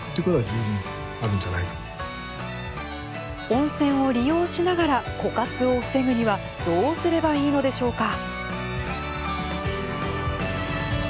温泉を利用しながら枯渇を防ぐにはどうすればいいのでしょうか。